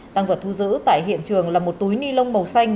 tăng vật thu giữ tại hiện trường là một túi ni lông màu xanh